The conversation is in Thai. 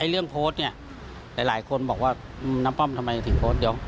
เรื่องโพสต์เนี่ยหลายคนบอกว่าน้ำป้อมทำไมถึงโพสต์เดี๋ยว